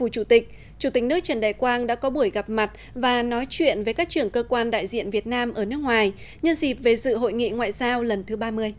nói chuyện với các trưởng cơ quan đại diện việt nam ở nước ngoài nhân dịp về sự hội nghị ngoại giao lần thứ ba mươi